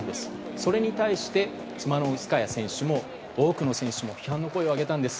それに対してチマノウスカヤ選手も多くの選手も批判の声を上げたんです。